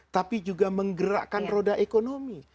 tapi juga menggerakkan roda ekonomi